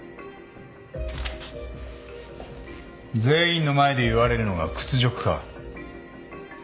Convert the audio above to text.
全員の前で言われるのが屈辱か？